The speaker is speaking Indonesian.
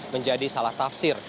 menjadi salah tafsir